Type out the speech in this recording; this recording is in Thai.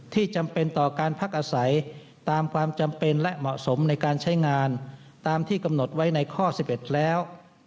จำเป็นต่อการพักอาศัยตามความจำเป็นและเหมาะสมในการใช้งานตามที่กำหนดไว้ในข้อ๑๑แล้ว